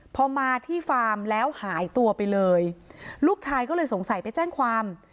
พอมาที่ฟาร์มแล้วหายตัวไปเลยลูกชายก็เลยสงสัยไปแจ้งความ